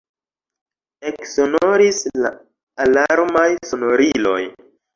Eksonoris la alarmaj sonoriloj.